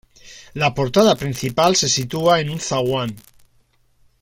La portada principal se sitúa en un zaguán.